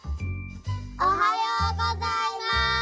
おはようございます！